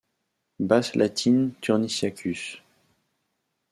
Bas latin Turnisiacus.